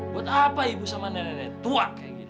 buat apa ibu sama nenek nenek tua kayak gini